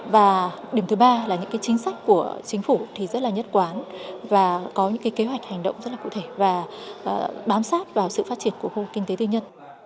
và điểm thứ ba là những cái chính sách của chính phủ thì rất là nhất quán và có những cái kế hoạch hành động rất là cụ thể và bám sát vào sự phát triển của khu kinh tế tư nhân